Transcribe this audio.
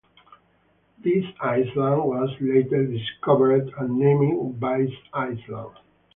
This island was later discovered and named Vize Island.